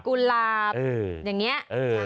ุหลาบอย่างนี้